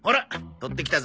取ってきたぞ。